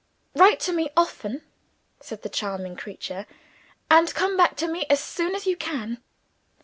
"Write to me often," said the charming creature, "and come back to me as soon as you can."